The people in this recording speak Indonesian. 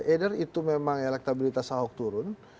either itu memang elektabilitas ahok turun